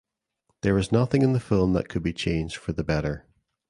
There is nothing in the film that could be changed for the better.